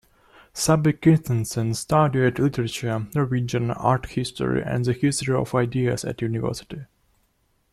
Saabye Christensen studied literature, Norwegian, art history and the history of ideas at university.